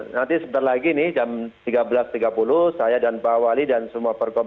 nanti sebentar lagi nih jam tiga belas tiga puluh saya dan pak wali dan semua pergub